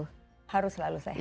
harus selalu sehat